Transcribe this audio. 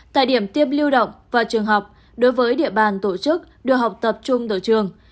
tại điểm tiêm lưu động và trường học đối với địa bàn tổ chức đưa học tập trung ở trường